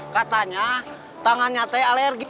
katanya tangannya teh alergi